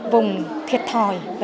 vùng thiệt thòi